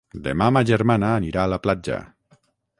Demà ma germana anirà a la platja.